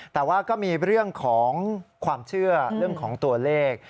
แต่ว่าก็มีเรื่องของความเชื่อเรื่องของตัวเลข